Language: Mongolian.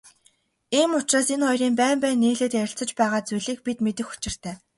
Ийм учраас энэ хоёрын байн байн нийлээд ярилцаж байгаа зүйлийг бид мэдэх учиртай.